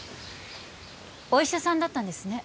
お医者さんだったんですね。